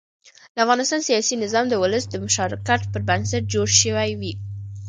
د افغانستان سیاسي نظام د ولس د مشارکت پر بنسټ جوړ شوی دی